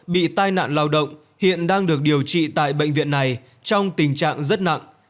bị tai nạn lao động hiện đang được điều trị tại bệnh viện này trong tình trạng rất nặng